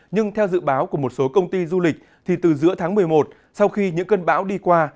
nhưng theo dự báo của một số công ty du lịch thì từ giữa tháng một mươi một sau khi những cơn bão đi qua